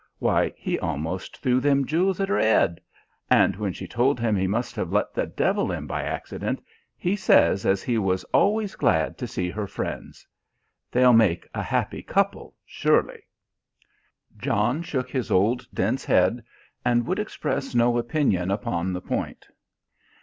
Why, he almost threw them jewels at her 'ead; and when she told him he must have let the devil in by accident, he says as he was always glad to see her friends. They'll make a happy couple, surely." John shook his old dense head, and would express no opinion upon the point.